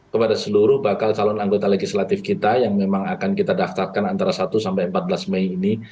kepada seluruh bakal calon anggota legislatif kita yang memang akan kita daftarkan antara satu sampai empat belas mei ini